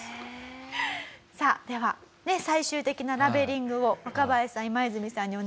さあでは最終的なラベリングを若林さんイマイズミさんにお願いします。